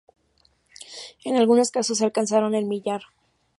En algunos casos se alcanzaron el millar.